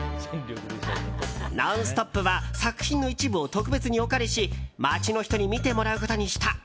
「ノンストップ！」は作品の一部を特別にお借りし街の人に見てもらうことにした。